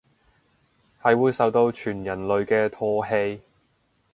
係會受到全人類嘅唾棄